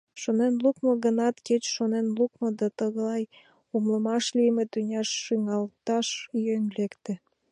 Шонен лукмо гынат, кеч шонен лукмо да тыглай, умылаш лийме тӱняш шуҥгалташ йӧн лекте.